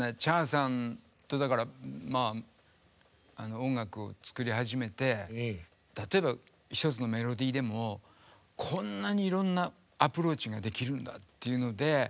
Ｃｈａｒさんとだからまあ音楽を作り始めて例えば一つのメロディーでもこんなにいろんなアプローチができるんだっていうので。